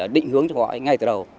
định hướng cho họ ngay từ đầu